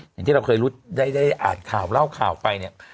อย่างที่เราเคยได้อ่านข่าวเล่าข่าวไปเนี่ย